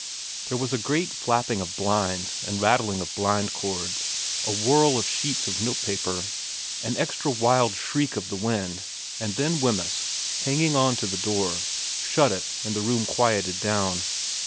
There was a great flapping of blinds and rattling of blind cords, a whirl of sheets of notepaper, an extra wild shriek of the wind, and then Wemyss, hanging on to the door, shut it and the room quieted down.